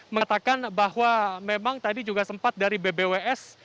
mengatakan bahwa memang tadi juga sempat dari bbws